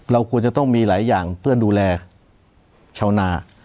เราควรจะต้องมีหลายอย่างเพื่อดูแลชาวนา